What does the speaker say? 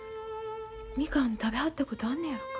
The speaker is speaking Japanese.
みかん食べはったことあんのやろか。